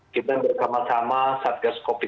kita bersama sama saat gas covid sembilan belas